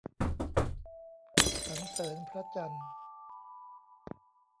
สรรเสริญพระจันทร์